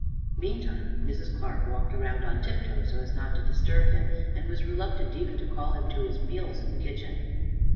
Meantime, Mrs. Clark walked around on tiptoe, so as not to disturb him, and was reluctant even to call him to his meals in the kitchen.